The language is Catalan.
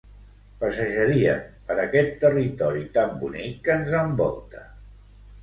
passejaríem per aquest territori tan bonic que ens envolta